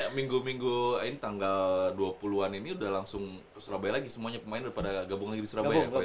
jadi ini minggu minggu ini tanggal dua puluh an ini udah langsung surabaya lagi semuanya pemain daripada gabung lagi di surabaya ya pak witewapel